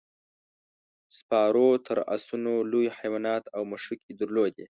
سپارو تر اسونو لوی حیوانات او مښوکې درلودې.